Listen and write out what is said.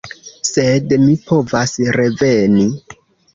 Sed mi povas reveni.